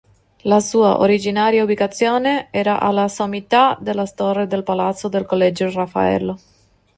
La sua originaria ubicazione era alla sommità della torre del Palazzo del Collegio Raffaello.